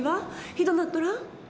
ひどなっとらん？